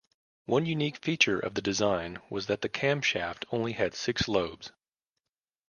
One unique feature of the design was that the camshaft only had six lobes.